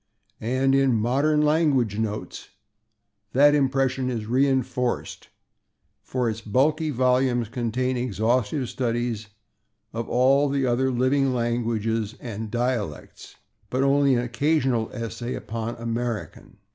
And in /Modern Language Notes/ that impression is reinforced, for its bulky volumes contain exhaustive studies of all the other living languages and dialects, but only an occasional essay upon American.